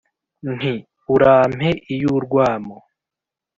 Nti : urampe iy'urwamo